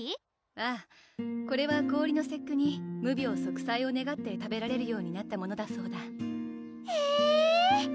ああこれは氷の節句に無病息災をねがって食べられるようになったものだそうだへぇ！